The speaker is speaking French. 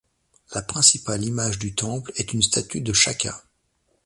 La principale image du temple est une statue de Shaka.